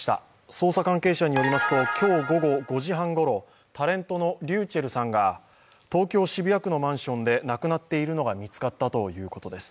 捜査関係者によりますと、今日午後５時半ごろ、タレントのｒｙｕｃｈｅｌｌさんが東京・渋谷区のマンションで亡くなっているのが見つかったということです。